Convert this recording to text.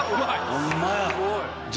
ホンマや。